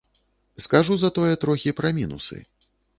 Скажу затое трохі пра мінусы.